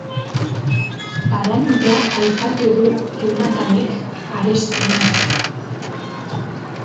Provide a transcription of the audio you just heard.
Paranoia aipatu du Jonathanek arestian...